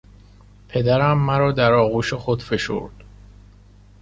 پدرم مرا در آغوش خود فشرد.